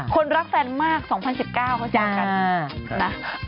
คนรักแฟนมาก๒๐๑๙เขาจัดการ